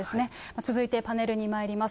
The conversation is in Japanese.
続いてパネルにまいります。